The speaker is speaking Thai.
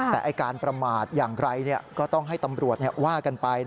แต่การประมาทอย่างไรก็ต้องให้ตำรวจว่ากันไป